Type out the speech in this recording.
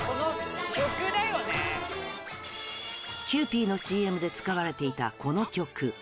キユーピーのＣＭで使われていたこの曲。